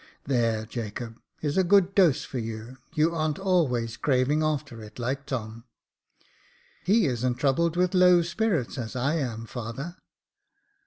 '* There, Jacob, is a good dose for you ; you aren't always craving after it, like Tom." *' He isn't troubled with low spirits, as I am, father."